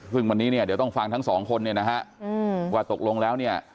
ซึ่งวันนี้เนี่ยเดี๋ยวต้องฟังทั้งสองคนเนี่ยนะฮะว่าตกลงแล้วเนี่ย